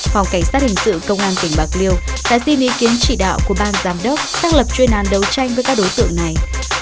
phòng cảnh sát hình sự công an tỉnh bạc liêu đã xin ý kiến chỉ đạo của ban giám đốc xác lập chuyên án đấu tranh với các đối tượng này